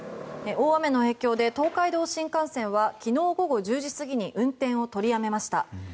大雨の影響で東海道新幹線は昨日午後１０時過ぎに運転を取りやめました。